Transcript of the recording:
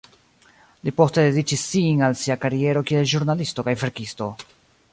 Li poste dediĉis sin al sia kariero kiel ĵurnalisto kaj verkisto.